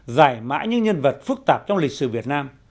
giải mã những nhân vật phức tạp trong lịch sử việt nam